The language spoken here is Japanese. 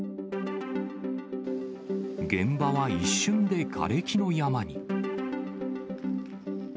現場は一瞬でがれきの山に。